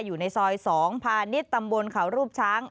อยู่ในซอย๒พาณิชย์ตำบลเขารูปช้าง